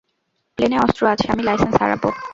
প্লেনে অস্ত্র আছে, আমি লাইসেন্স হারাবো।